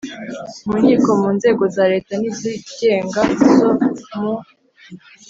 mu nkiko mu nzego za Leta n izigenga izo mu